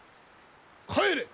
帰れ！